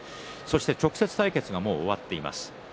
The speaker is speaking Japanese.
直接対決は終わっています。